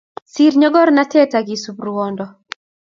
Sir nyokornatet akisub ruondo